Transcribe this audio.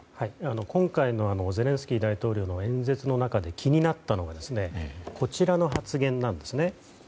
今回のゼレンスキー大統領の演説の中で気になったのはこちらの発言なんですね。